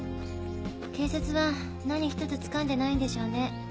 警察は何ひとつつかんでないんでしょうね。